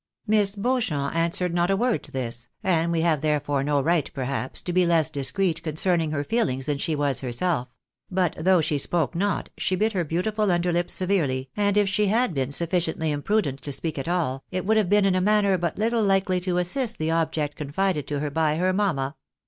Miss Beauchamp answered not a word to this, and we have therefore no right, perhaps, to be less discreet concerning her feel ings than she was herself; but though she spoke not, she bit her beautiful under lip severely, and if she had been sufficiently im prudent to speak at all, it would have been in a manner but little likely to assist the object confided to her by her mamma.